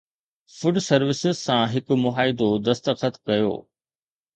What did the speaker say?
food services سان هڪ معاهدو دستخط ڪيو